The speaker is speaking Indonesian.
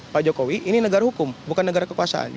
pak jokowi ini negara hukum bukan negara kekuasaan